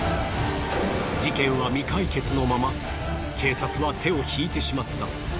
事件は未解決のまま警察は手を引いてしまった。